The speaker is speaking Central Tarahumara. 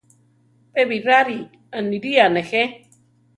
Pe Birari aniría nejé.